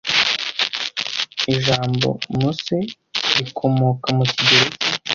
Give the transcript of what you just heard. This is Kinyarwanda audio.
Ijambo muse rikomoka mu kigereki